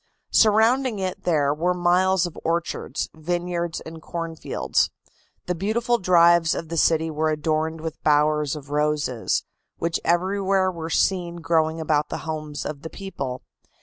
Surrounding it there were miles of orchards, vineyards and corn fields. The beautiful drives of the city were adorned with bowers of roses, which everywhere were seen growing about the homes of the people.